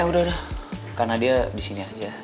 eh udah udah karena dia disini aja